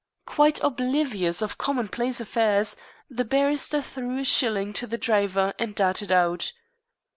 Quite oblivious of commonplace affairs, the barrister threw a shilling to the driver and darted out.